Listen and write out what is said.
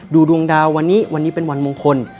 ดวงดาววันนี้วันนี้เป็นวันมงคล